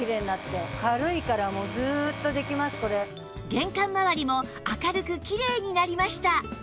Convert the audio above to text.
玄関まわりも明るくきれいになりました